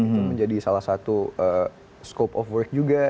itu menjadi salah satu scope of work juga